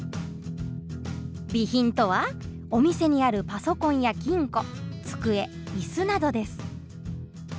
備品とはお店にあるパソコンや金庫机椅子などです。